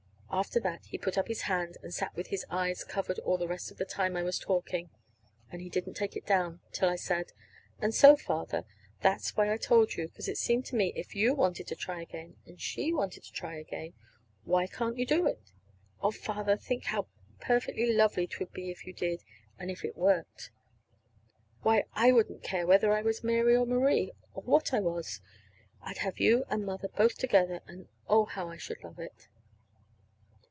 After that he put up his hand and sat with his eyes covered all the rest of the time I was talking. And he didn't take it down till I said: "And so, Father, that's why I told you; 'cause it seemed to me if you wanted to try again, and she wanted to try again, why can't you do it? Oh, Father, think how perfectly lovely 'twould be if you did, and if it worked! Why, I wouldn't care whether I was Mary or Marie, or what I was. I'd have you and Mother both together, and, oh, how I should love it!"